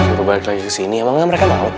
suruh balik lagi kesini emang nggak mereka mau